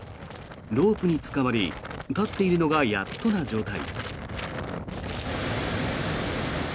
ロープにつかまり立っているのがやっとな状態。